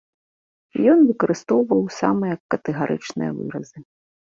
Ён выкарыстоўваў самыя катэгарычныя выразы.